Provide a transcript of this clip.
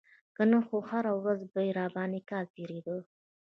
که نه خو هره ورځ يې راباندې کال تېرېده.